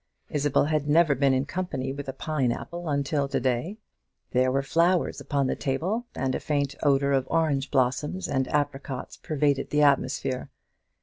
Isabel had never been in company with a pine apple until to day. There were flowers upon the table, and a faint odour of orange blossoms and apricots pervaded the atmosphere.